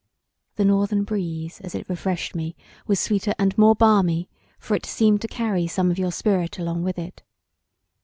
The northern breeze as it refreshed me was sweeter and more balmy for it seemed to carry some of your spirit along with it.